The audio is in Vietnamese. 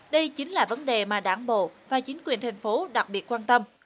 đây chính là vấn đề mà đảng bộ và chính quyền thành phố đặc biệt quan tâm